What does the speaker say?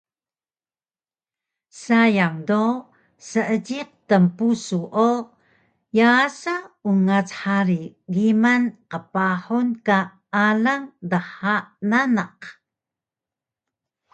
Sayang do seejiq tnpusu o yaasa ungac hari giman qpahun ka alang dha nanaq